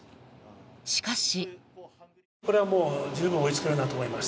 しかし。